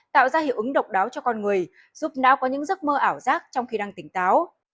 tạo ra hiệu ứng độc đáo cho con người giúp não có những giấc mơ ảo giác trong khi đang tỉnh táo